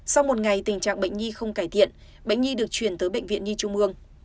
sau một ngày tình trạng bệnh nhi không cải thiện bệnh nhi được chuyển tới bệnh viện nhi trung ương